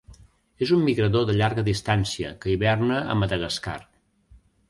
És un migrador de llarga distància, que hiverna a Madagascar.